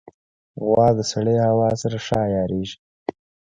غوا د سړې هوا سره ښه عیارېږي.